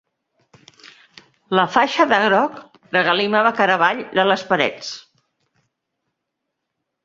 La faixa de groc, regalimava cara avall de les parets